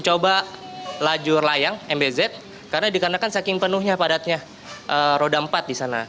saya juga tidak sempat untuk mencoba lajur layang mbz karena dikarenakan saking penuhnya padatnya roda empat di sana